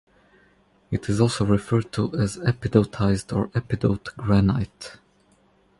It is also referred to as epidotized or epidote granite.